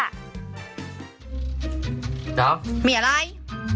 น้องมีอะไร